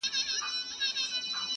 مصیبت دي پر وېښتانو راوستلی؟-